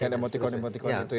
ya ada emotikon emotikon itu ya